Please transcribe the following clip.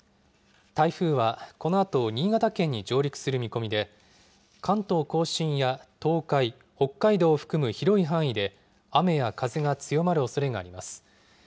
台風は、このあと新潟県に上陸する見込みで関東甲信や東海北海道を含む広い範囲で雨や風が強まるおそれがあります。